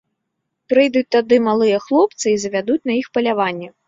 Прыйдуць тады малыя хлопцы і завядуць на іх паляванне.